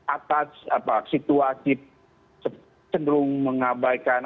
atas situasi cenderung mengabaikan